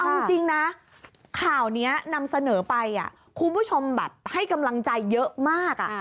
เอาจริงนะข่าวนี้นำเสนอไปคุณผู้ชมแบบให้กำลังใจเยอะมาก